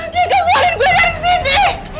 dego keluarin gue dari sini